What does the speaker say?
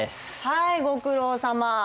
はいご苦労さま。